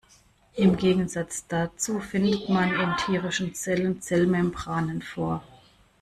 Im Gegensatz dazu findet man in tierischen Zellen Zellmembranen vor.